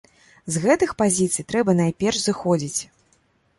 З гэтых пазіцый трэба найперш зыходзіць.